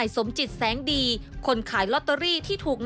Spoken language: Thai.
แสงดีคนขายล็อตเตอรี่ที่ถูกนั่ง